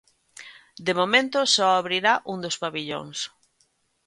De momento só abrirá un dos pavillóns.